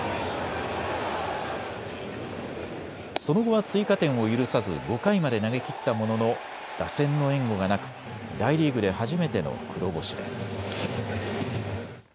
その後は追加点を許さず５回まで投げきったものの打線の援護がなく大リーグで初めての黒星です。